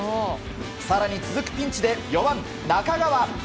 更に続くピンチで４番、中川。